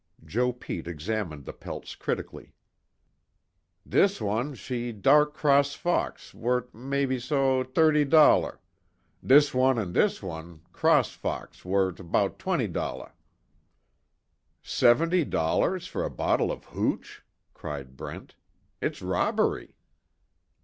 Joe Pete examined the pelts critically: "Dis wan she dark cross fox, wort' mebbe so, t'irty dolla. Dis wan, an' dis wan, cross fox, wort' 'bout twenty dolla." "Seventy dollars for a bottle of hooch!" cried Brent, "It's robbery!"